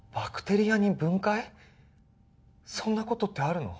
そんなことってあるの？